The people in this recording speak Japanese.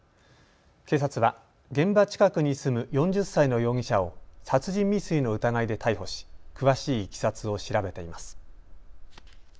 警察は現場近くに住む４０歳の容疑者を殺人未遂の疑いで逮捕し詳しいいきさつを調べています。